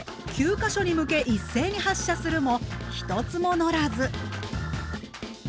か所に向け一斉に発射するも１つものらず。